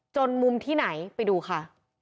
มุมที่ไหนไปดูค่ะ